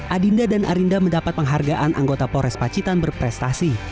adinda dan arinda mendapat penghargaan anggota pores pacitan berprestasi